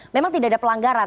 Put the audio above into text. memang tidak ada pelanggaran